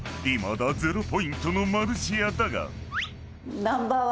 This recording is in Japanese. ［いまだ０ポイントのマルシアだが］何か。